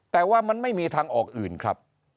แต่ว่ามันไม่มีทางออกอื่นครับ